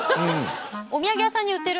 お土産屋さんに売ってる。